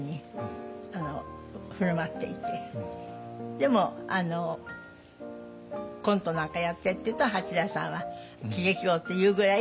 でもコントなんか「やって」って言うと八大さんは喜劇王っていうぐらい上手に。